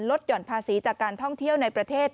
หย่อนภาษีจากการท่องเที่ยวในประเทศ